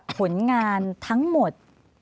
ผลงานทั้งหมด